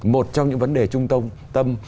một trong những vấn đề trung tâm